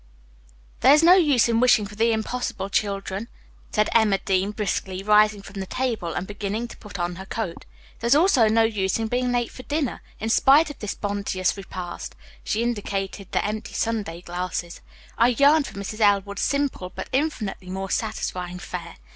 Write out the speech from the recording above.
"There is no use in wishing for the impossible, children," said Emma Dean briskly, rising from the table and beginning to put on her coat. "There is also no use in being late for dinner. In spite of this bounteous repast," she indicated the empty sundae glasses, "I yearn for Mrs. Elwood's simple but infinitely more satisfying fare.